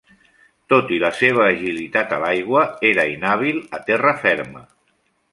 Tot i la seva agilitat a l'aigua era inhàbil a terra ferma.